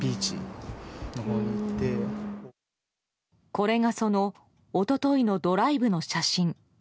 これが、その一昨日のドライブの写真。